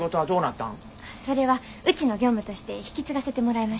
それはうちの業務として引き継がせてもらいました。